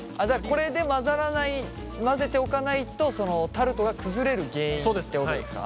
これで混ぜておかないとタルトが崩れる原因ってことですか？